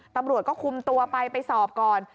ตำรวจก็คุมตัวไปไปสอบก่อน